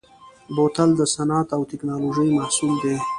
بوتل د صنعت او تکنالوژۍ محصول دی.